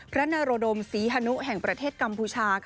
นรดมศรีฮนุแห่งประเทศกัมพูชา